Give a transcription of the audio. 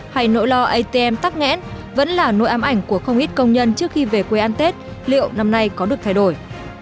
hay nỗi lo atm tắt nghẽn vẫn là nội ám ảnh của không ít công nhân trước khi về quê ăn tết liệu năm nay có được thay đổi